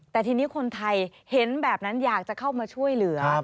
แต่ทีนี้คนไทยเห็นแบบนั้นอยากจะเข้ามาช่วยเหลือ